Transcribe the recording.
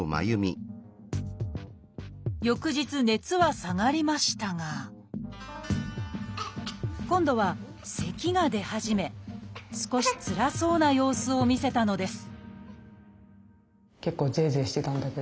翌日熱は下がりましたが今度はせきが出始め少しつらそうな様子を見せたのです